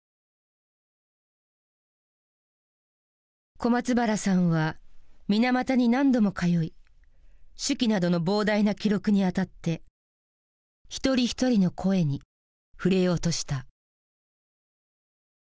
小松原さんは水俣に何度も通い手記などの膨大な記録にあたって一人一人の声に触れようとした。